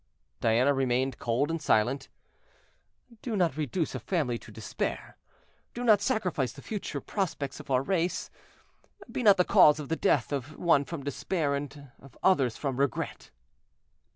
Diana remained cold and silent. "Do not reduce a family to despair, do not sacrifice the future prospects of our race; be not the cause of the death of one from despair, of the others from regret."